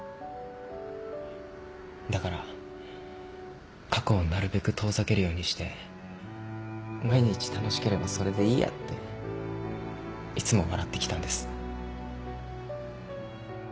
だから過去をなるべく遠ざけるようにして毎日楽しければそれでいいやっていつも笑ってきたんです。